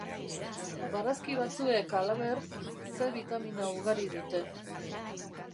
Barazki batzuek, halaber, C bitamina ugari dute.